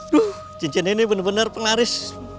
duh cincin ini bener bener penglaris